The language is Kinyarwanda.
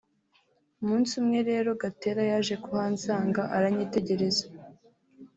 Umunsi umwe rero Gatera yaje kuhansanga aranyitegereza